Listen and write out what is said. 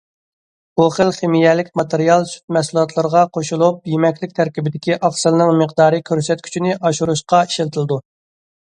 بۇ خىل خىمىيەلىك ماتېرىيال سۈت مەھسۇلاتلىرىغا قوشۇلۇپ، يېمەكلىك تەركىبىدىكى ئاقسىلنىڭ مىقدار كۆرسەتكۈچىنى ئاشۇرۇشقا ئىشلىتىلىدۇ.